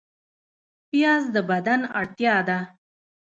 پیاز د بدن اړتیا ده